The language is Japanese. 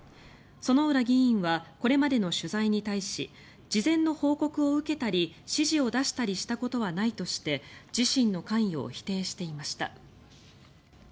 薗浦議員はこれまでの取材に対し事前の報告を受けたり指示を出したりしたことはないとして自身の関与を否定していました。